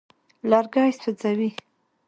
لرګي سوځوي.